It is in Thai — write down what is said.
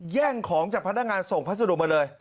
แย่งของจากพนักงานส่งพัสดุมาเลย